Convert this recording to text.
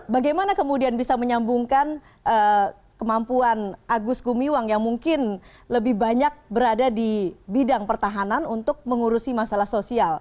bagaimana kemudian bisa menyambungkan kemampuan agus gumiwang yang mungkin lebih banyak berada di bidang pertahanan untuk mengurusi masalah sosial